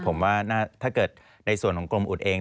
ผมว่าถ้าเกิดในส่วนของกรมอุดเอง